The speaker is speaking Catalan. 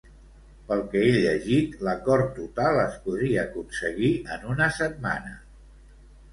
Pel que he llegit, l'acord total es podria aconseguir en una setmana.